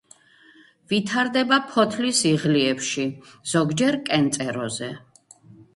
ვითარდება ფოთლის იღლიებში, ზოგჯერ კენწეროზე.